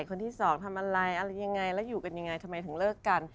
คนที่สองทำอะไรอะไรยังไงแล้วอยู่กันยังไงทำไมถึงเลิกกัน